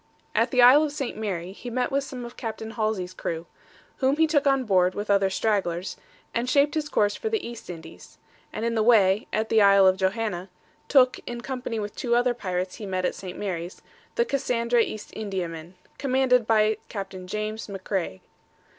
At the Isle of St. Mary, he met with some of Capt. Halsey's crew, whom he took on board with other stragglers, and shaped his course for the East Indies, and in the way, at the island of Johanna, took, in company with two other pirates he met at St. Mary's, the Cassandra East Indiaman, commanded by Capt. James Macraigh.